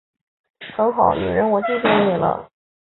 很好，女人我记住你了